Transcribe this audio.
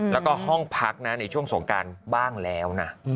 แล้วก็ห้องพักนะในช่วงสงการบ้างแล้วนะ